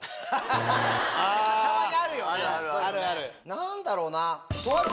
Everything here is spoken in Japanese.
何だろうな。